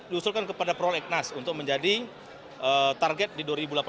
diusulkan kepada prolegnas untuk menjadi target di dua ribu delapan belas